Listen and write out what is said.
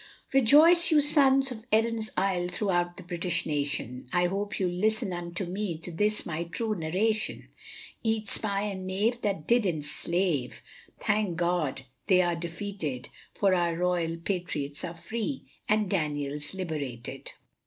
Rejoice you sons of Erin's Isle throughout the British nation, I hope you'll listen unto me to this my true narration. Each spy and knave that did enslave, thank God they are defeated, For our loyal Patriots are free, and Daniel's liberated.